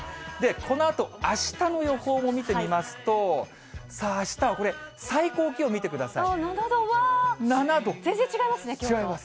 このあとあしたの予報も見てみますと、さあ、あしたはこれ、最高気温見てください。